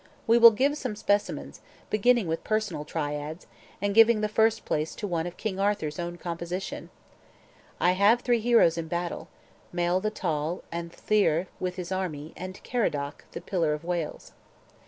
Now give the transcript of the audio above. We will give some specimens, beginning with personal triads, and giving the first place to one of King Arthur's own composition: "I have three heroes in battle: Mael the tall, and Llyr, with his army, And Caradoc, the pillar of Wales."